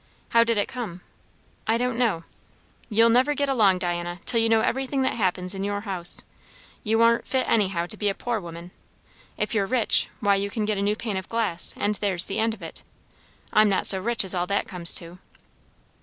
"How did it come?" "I don't know." "You'll never get along, Diana, till you know everything that happens in your house. You aren't fit anyhow to be a poor woman. If you're rich, why you can get a new pane of glass, and there's the end of it. I'm not so rich as all that comes to."